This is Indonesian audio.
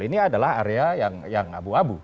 ini adalah area yang abu abu